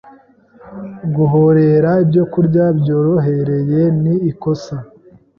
Guhorera ibyokurya byorohereye ni ikosa.